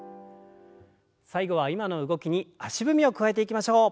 最後は今の動きに足踏みを加えていきましょう。